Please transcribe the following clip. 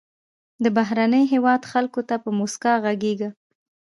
د بهرني هېواد خلکو ته په موسکا غږیږه.